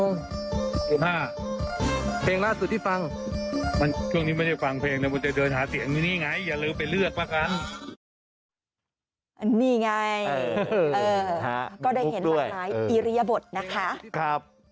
นี่ไงก็ได้เห็นหลากหลายอิริยบทนะคะ